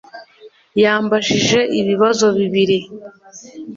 Yambajije ibibazo bibiri